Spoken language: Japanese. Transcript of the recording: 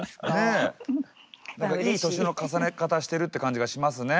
いい年の重ね方してるって感じがしますね。